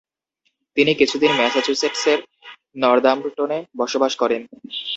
তিনি কিছুদিন ম্যাসাচুসেটসের নর্দাম্পটনে বসবাস করেন।